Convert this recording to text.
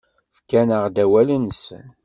Fkan-aɣ-d awal-nsen.